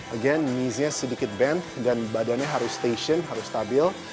again kneesnya sedikit bent dan badannya harus stationed harus stabil